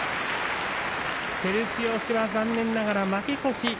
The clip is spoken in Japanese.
照強は残念ながら負け越し。